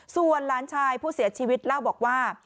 ส่วนหลานชายผู้เสียชีวิตเล่าบอกว่า